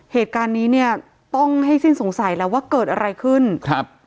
เหตุการณ์นี้เนี่ยต้องให้สิ้นสงสัยแล้วว่าเกิดอะไรขึ้นครับ